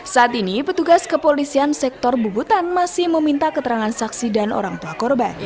saat ini petugas kepolisian sektor bubutan masih meminta keterangan saksi dan orang tua korban